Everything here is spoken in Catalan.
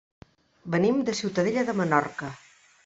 Venim de Ciutadella de Menorca.